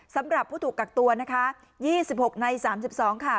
สำหรับผู้ถูกกักตัวนะคะ๒๖ใน๓๒ค่ะ